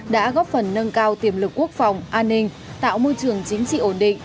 đã góp phần nâng cao tiềm lực quốc phòng an ninh tạo môi trường chính trị ổn định